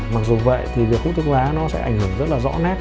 mặc dù vậy thì việc hút thuốc lá nó sẽ ảnh hưởng rất là rõ nét